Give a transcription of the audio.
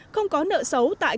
không có nợ xấu tại các tổ chức